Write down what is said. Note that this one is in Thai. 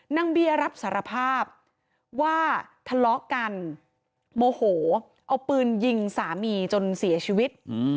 เบียร์รับสารภาพว่าทะเลาะกันโมโหเอาปืนยิงสามีจนเสียชีวิต